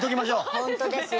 本当ですよ。